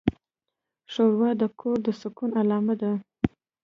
ښوروا د کور د سکون علامه ده.